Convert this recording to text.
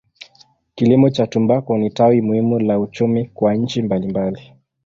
Kilimo cha tumbaku ni tawi muhimu la uchumi kwa nchi mbalimbali.